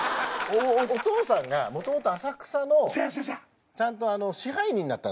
お父さんがもともと浅草のちゃんと支配人だったんすよ。